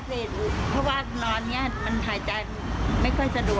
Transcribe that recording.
เพราะว่านอนนี้มันหายใจไม่ค่อยสะดวก